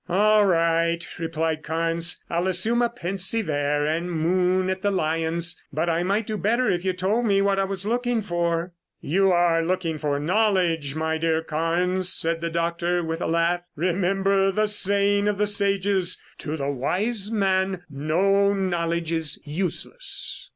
"All right," replied Carnes. "I'll assume a pensive air and moon at the lions, but I might do better if you told me what I was looking for." "You are looking for knowledge, my dear Carnes," said the doctor with a laugh. "Remember the saying of the sages: To the wise man, no knowledge is useless."